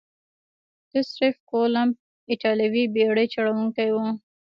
کرستف کولمب ایتالوي بیړۍ چلوونکی وو.